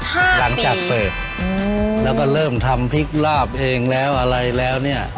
หลังจากเสิร์ฟแล้วก็เริ่มทำพริกลาบเองแล้วอะไรแล้วเนี่ย